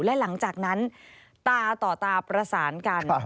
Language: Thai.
และหลังจากนั้นตาต่อตาประสานกัน